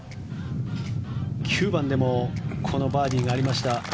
９番でもこのバーディーがありました。